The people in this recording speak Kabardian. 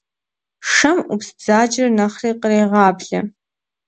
Шэм Ӏупс бзаджэр нэхъри кърегъаблэ.